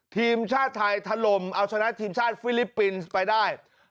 ทีมชาติไทยถล่มเอาชนะทีมชาติฟิลิปปินส์ไปได้